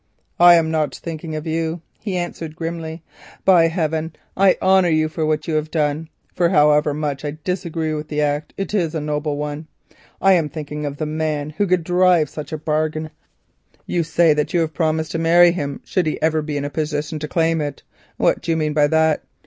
"I am not thinking of you," he answered grimly; "by heaven I honour you for what you have done, for however much I may disagree with the act, it is a noble one. I am thinking of the man who could drive such a bargain with any woman. You say that you have promised to marry him should he ever be in a position to claim it. What do you mean by that?